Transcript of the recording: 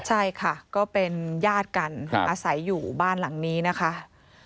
ใช่ค่ะก็เป็นญาติกันอาศัยอยู่บ้านหลังนี้นะคะ